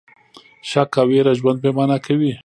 شک او ویره ژوند بې مانا کوي.